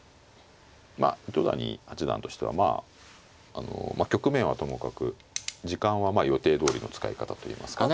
まあ糸谷八段としてはまああの局面はともかく時間は予定どおりの使い方といいますかね。